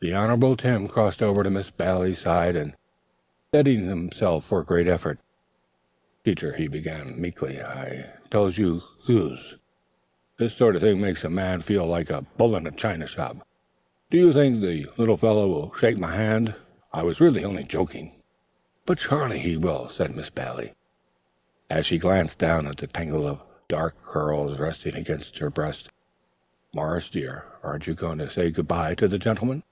The Honorable Tim crossed over to Miss Bailey's side and steadied himself for a great effort. "Teacher," he began meekly, "I tells you 'scuse. This sort of thing makes a man feel like a bull in a china shop. Do you think the little fellow will shake hands with me? I was really only joking." "But surely he will," said Miss Bailey, as she glanced down at the tangle of dark curls resting against her breast. "Morris, dear, aren't you going to say good by to the gentleman?"